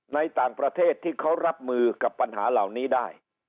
ในต่างประเทศที่เขารับมือกับปัญหาเหล่านี้ได้